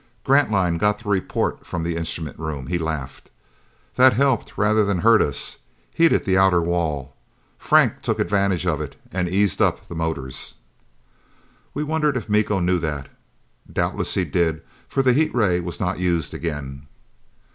Grantline got the report from the instrument room. He laughed. "That helped rather than hurt us. Heated the outer wall. Franck took advantage of it and eased up the motors." We wondered if Miko knew that. Doubtless he did, for the heat ray was not used again.